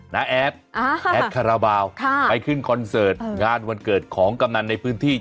้าแอดแอดคาราบาลไปขึ้นคอนเสิร์ตงานวันเกิดของกำนันในพื้นที่